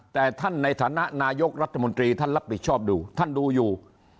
แต่ท่านในฐานะนายกรัฐมนตรีท่านรับผิดชอบดูท่านดูอยู่